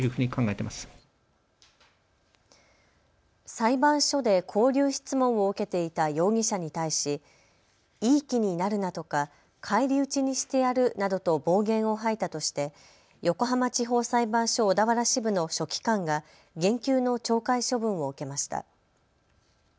裁判所で勾留質問を受けていた容疑者に対しいい気になるなとか返り討ちにしてやるなどと暴言を吐いたとして横浜地方裁判所小田原支部の書記官が減給の懲戒処分を受けました。